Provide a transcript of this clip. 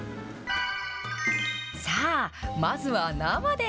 さあ、まずは生で。